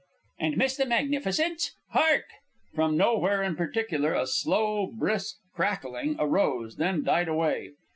"And miss the magnificence? Hark!" From nowhere in particular a brisk crackling arose, then died away.